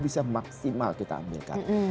bisa maksimal kita ambilkan